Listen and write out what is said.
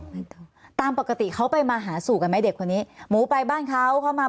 ตามปกติเขาไปมาหาสู่กันไหมเด็กคนนี้หมูไปบ้านเขาเขามา